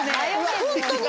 ホントに！